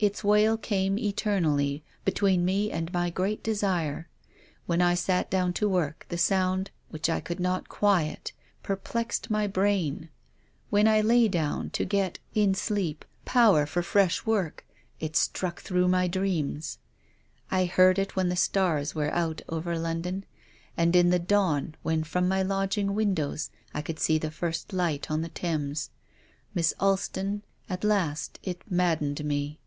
" Its wail came eternally between me and my great desire. When I sat down to work the sound — which I could not quiet— perplexed my brain. When I lay down to get, in sleep, power 206 TONGUES OF CONSCIENCE. for fresh work, it struck through my dreams. I heard it when the stars were out over London, and in the dawn, when from my lodging windows I could see the first light on the Thames. Miss Alston, at last it maddened me."